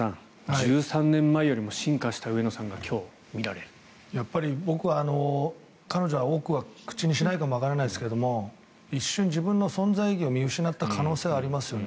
１３年前よりも進化した上野さんが僕は彼女は多くは口にしないかもわからないですけど一瞬、自分の存在意義を見失った可能性はありますよね。